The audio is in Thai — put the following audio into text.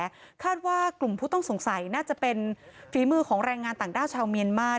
และคาดว่ากลุ่มผู้ต้องสงสัยน่าจะเป็นฝีมือของแรงงานต่างด้าวชาวเมียนมา